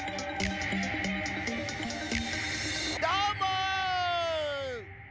どーも！